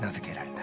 た